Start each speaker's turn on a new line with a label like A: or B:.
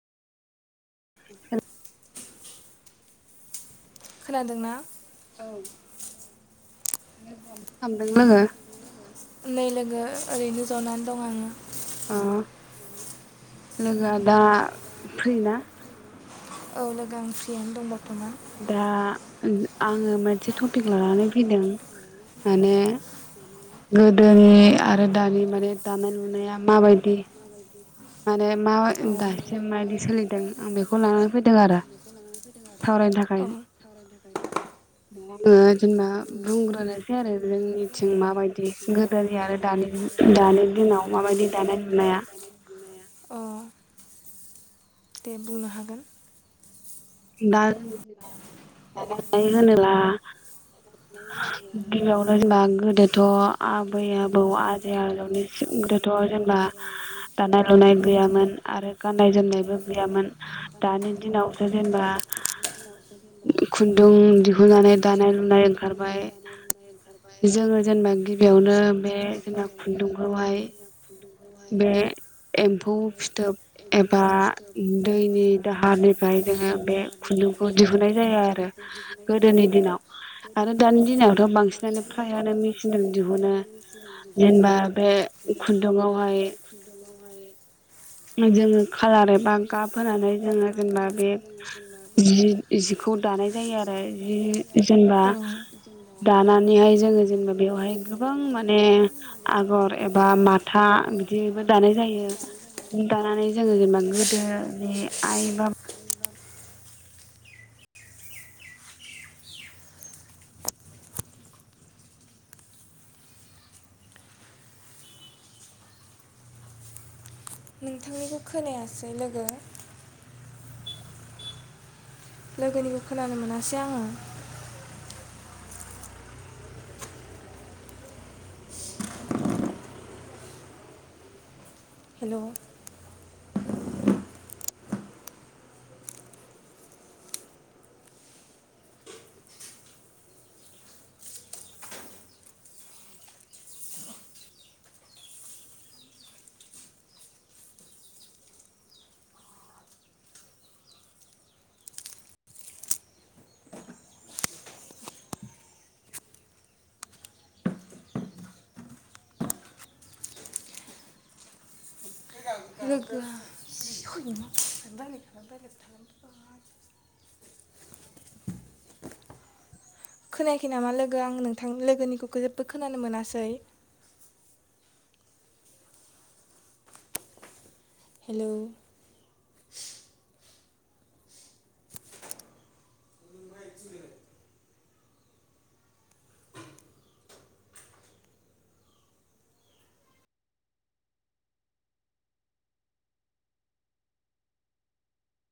A: हे हेल'
B: खोनादोंना
A: औ लोगो मा खालामदों लोगो
B: नै लोगो ओरैनो जनानै दं आङो
A: अ लोगोआ दा फ्रि ना
B: औ लोगो आं फ्रियानो दं बरत'मान
A: दा आङो मोनसे टपिक लानानै फैदों माने गोदोनि आरो दानि माने दानाय लुनाया माबायदि माने मा
B: औ
A: दासिम माबायदि सोलिदों आं बेखौ लानानै फैदों आरो सावरायनो
B: आरो
A: थाखाय आङो जेनेबा बुंग्रोनोसै आरो जोंनिथिं माबायदि गोदोनि आरो दानि दानि दिनाव माबायदि दानाय-लुनाया
B: अ दे बुंनो हागोन
A: दा जों दानाय लुनाय होनोब्ला गिबियावनो जेनेबा गोदोथ' आबै-आबौ आजै-आजौनि गोदोथ' जेनेबा दानाय लुनाय गैयामोन आरो गाननाय जोमनायबो गैयामोन दानि दिनावसो जेनेबा खुन्दुं दिहुननानै दानाय लुनाय ओंखारबाय जोङो जेनेबा गिबियावनो बे जेनेबा खुन्दुंखौहाय बे एम्फौ फिथोब एबा दैनि दाहारनिफ्राय जोङो बे खुन्दुंखौ दिहुनाय जायो आरो गोदोनि दिनाव आरो दानि दिनावथ' बांसिनानो फ्रायानो मेचिनजों दिहुनो जेनेबा बे खुन्दुङाव
B: खुन्दुं गामारि
A: [unintelligible] खालार एबा गाब होनानै जोङो जेनेबा बे जि जिखौ दानाय जायो आरो जि जेनेबा
B: औ
A: दानानैहाय जोङो जेनेबा बेवहाय गोबां माने आगर एबा माथा बिदिबो दानाय जायो। दानानै जोङो जेनबा गोदोनि आइ बा
B: नोंथांनिखौ खोनायासै लोगो लोगोनिखौ खोनानो मोनासै आङो। हेल'। लोगो [unintelligible] खोनायाखै नामा लोगो? आं नोंथां लोगोनिखौ जेबो खोनानो मोनासै। हेल'।